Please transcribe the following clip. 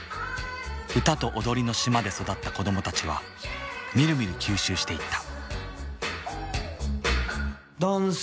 歌と踊りの島で育った子どもたちはみるみる吸収していった。